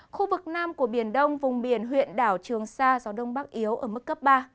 khu vực nam của biển đông vùng biển huyện đảo trường sa gió đông bắc yếu ở mức cấp ba